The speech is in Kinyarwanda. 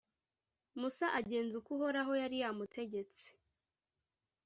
musa agenza uko uhoraho yari yamutegetse.